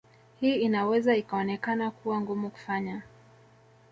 Hii inaweza ikaonekana kuwa ngumu kufanya